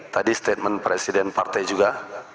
tadi statement presiden partai juga